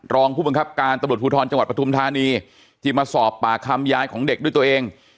รองผู้บังคับการตำรวจภูทรจังหวัดปฐุมธานีที่มาสอบปากคำยายของเด็กด้วยตัวเอง